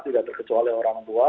tidak terkecuali orang tua